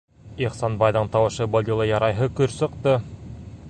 - Ихсанбайҙың тауышы был юлы ярайһы көр сыҡты.